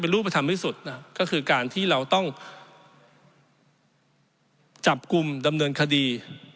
รูปธรรมที่สุดนะก็คือการที่เราต้องจับกลุ่มดำเนินคดี